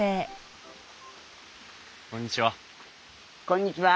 こんにちは。